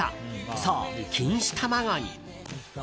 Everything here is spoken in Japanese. そう錦糸卵に。